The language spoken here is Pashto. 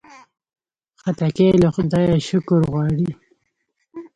خټکی له خدایه شکر غواړي.